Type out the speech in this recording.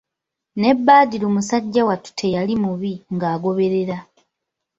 Ne Badru musajja wattu teyali mubi, ng'agoberera.